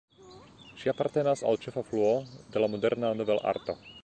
Ŝi apartenas al ĉefa fluo de la moderna novelarto.